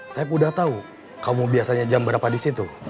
saya udah tahu kamu biasanya jam berapa di situ